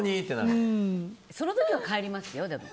でも、その時は帰りますよ。